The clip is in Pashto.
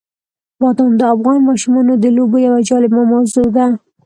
بادام د افغان ماشومانو د لوبو یوه جالبه موضوع ده.